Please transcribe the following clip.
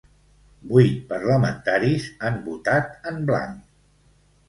Vuit parlamentaris han votat en blanc.